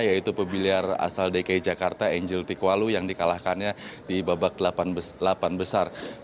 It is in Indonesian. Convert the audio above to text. yaitu pebiliar asal dki jakarta angel tikwalu yang di kalahkannya di babak delapan besar